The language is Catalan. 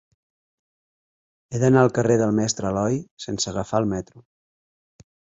He d'anar al carrer del Mestre Aloi sense agafar el metro.